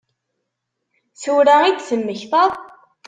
Tura i d-temmektaḍ?